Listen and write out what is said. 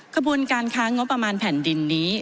กระบวนการค้างงบมารแผ่นดินนี้